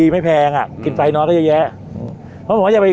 ไม่แพงอ่ะอืมกินไฟนอดได้เยอะแยะเพราะผมว่าอย่าไป